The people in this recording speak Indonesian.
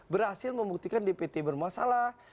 berhasil membuktikan dpt bermasalah